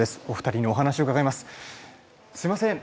お二人にお話をうかがいます。